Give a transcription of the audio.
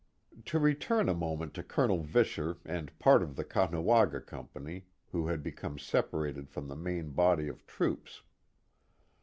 To return a moment to Colonel Visscher and part of the Caughnawaga company who had become separated from the main body of troops.